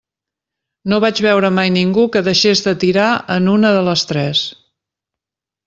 No vaig veure mai ningú que deixés de tirar en una de les tres.